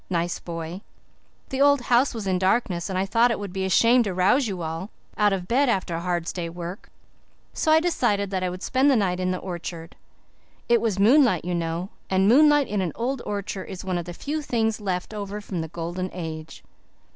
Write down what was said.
Nice boy. The old house was in darkness and I thought it would be a shame to rouse you all out of bed after a hard day's work. So I decided that I would spend the night in the orchard. It was moonlight, you know, and moonlight in an old orchard is one of the few things left over from the Golden Age."